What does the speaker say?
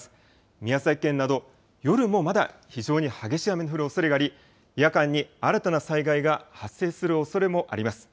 宮崎県など、夜もまだ非常に激しい雨の降るおそれがあり、夜間に新たな災害が発生するおそれもあります。